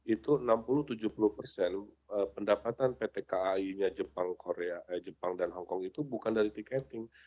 itu enam puluh tujuh puluh persen pendapatan pt kai nya jepang dan hongkong itu bukan dari tiketing